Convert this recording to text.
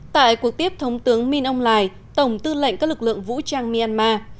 tại cuộc tiếp thống tướng minh âu lài tổng tư lệnh các lực lượng vũ trang myanmar